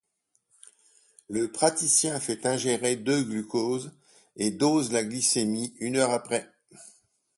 Le praticien fait ingérer de glucose et dose la glycémie une heure après.